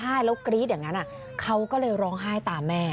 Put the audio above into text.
ถ้าร้องไห้แล้วกรี๊ดอย่างนั้นเขาก็เลยร้องไห้ตามแม่